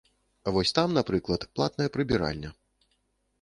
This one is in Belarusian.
Вось там, напрыклад, платная прыбіральня.